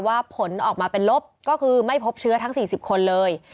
ผลออกมาเป็นลบก็คือไม่พบเชื้อทั้ง๔๐คนเลย